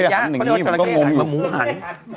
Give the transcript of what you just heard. จราเข้หัน